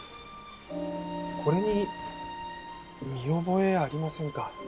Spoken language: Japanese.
これに見覚えありませんか？